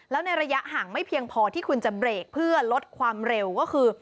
แล้วในระยะห่างไม่เพียงพอที่คุณจะเบรกเพื่อลดความเร็วก็คือ